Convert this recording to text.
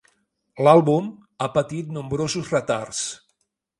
L'àlbum ha patit nombrosos retards.